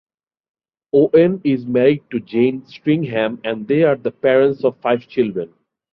Owen is married to Jane Stringham and they are the parents of five children.